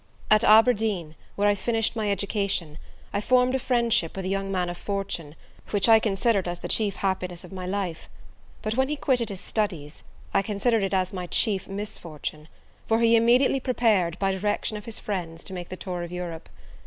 At Aberdeen, where I finished my education, I formed a friendship with a young man of fortune, which I considered as the chief happiness of my life: but, when he quitted his studies, I considered it as my chief misfortune; for he immediately prepared, by direction of his friends, to make the tour of Europe.